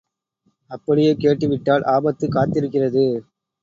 அப்படியே கேட்டு விட்டால் ஆபத்து காத்திருக்கிறது.